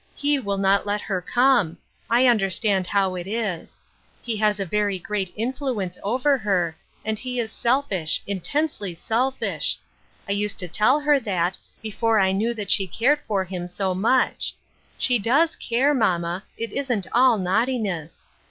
He will not let her come ; I under stand how it is. He has a very great influence over her, and he is selfish — intensely selfish. I used to tell her that, before I knew that she cared for him so much ; she does care, mamma — it isn't all naughti ness.